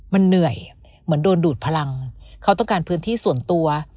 มันเหนื่อยเหมือนโดนดูดพลังเขาต้องการพื้นที่ส่วนตัว